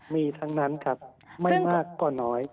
มีทั้งนั้นครับไม่มากก็น้อย